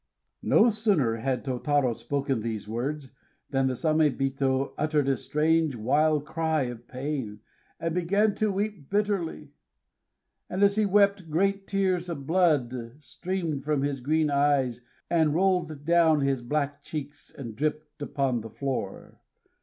No sooner had Tôtarô spoken these words than the Samébito uttered a strange wild cry of pain, and began to weep bitterly. And as he wept, great tears of blood streamed from his green eyes and rolled down his black cheeks and dripped upon the floor.